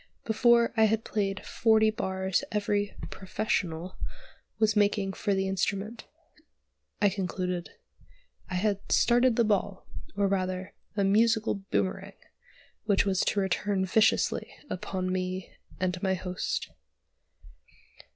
Before I had played forty bars every "professional" was making for the instrument. I concluded. I had "started the ball," or rather a musical "boomerang," which was to return viciously upon me and my host.